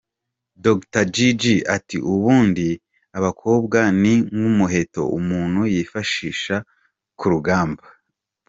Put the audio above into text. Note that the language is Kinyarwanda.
Dr Jiji ati, “Ubundi abakobwa ni nk’umuheto umuntu yifashisha ku rugamba.